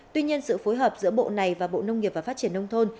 tuy nhiên sự phối hợp giữa bộ này và bộ nông nghiệp và phát triển nông thôn